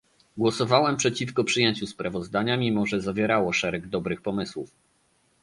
Głosowałam przeciwko przyjęciu sprawozdania mimo że zawierało szereg dobrych pomysłów